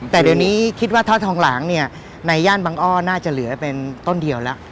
แต่เดี๋ยวนี้คิดว่าทอดทองหลางเนี่ยในย่านบังอ้อน่าจะเหลือเป็นต้นเดียวแล้ว